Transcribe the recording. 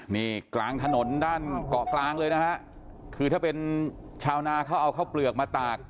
นี่กลางถนนด้านเกาะกลางเลยนะฮะคือถ้าเป็นชาวนาเขาเอาข้าวเปลือกมาตาก